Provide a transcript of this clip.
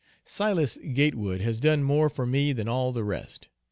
Silas Gatewood has done more for me than all the rest.